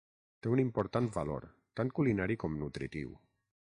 Té un important valor, tant culinari com nutritiu.